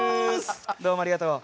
どうもありがとう。